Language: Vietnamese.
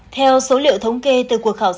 theo số liệu thống kê từ cuộc khảo sát